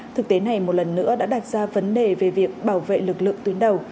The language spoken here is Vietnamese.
thực tế này một lần nữa đã đặt ra vấn đề về việc bảo vệ lực lượng tuyến đầu